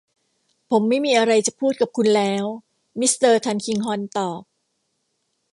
ผมไม่มีอะไรจะพูดกับคุณแล้ว มิสเตอร์ทัลคิงฮอร์นตอบ